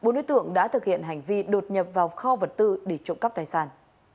bốn đối tượng đã thực hiện hành vi đột nhập vào kho vật tư để trộm cắp tài sản